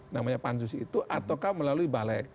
namanya pansus itu ataukah melalui balek